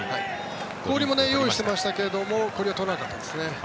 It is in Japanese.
氷も用意していましたけど氷は取らなかったですね。